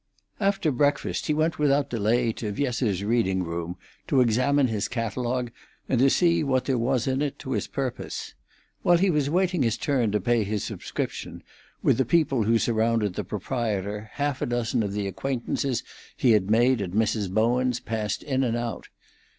After breakfast he went without delay to Viesseux's reading room, to examine his catalogue, and see what there was in it to his purpose. While he was waiting his turn to pay his subscription, with the people who surrounded the proprietor, half a dozen of the acquaintances he had made at Mrs. Bowen's passed in and out.